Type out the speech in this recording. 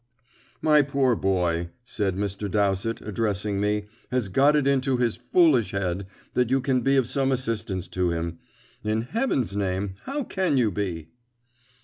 "My poor boy," said Mr. Dowsett, addressing me, "has got it into his foolish head that you can be of some assistance to him. In heaven's name, how can you be?"